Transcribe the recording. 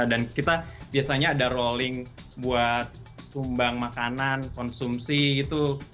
dan kita biasanya ada rolling buat sumbang makanan konsumsi gitu